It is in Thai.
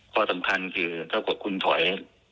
ข้อสำคัญคือถ้าเกิดคุณถอย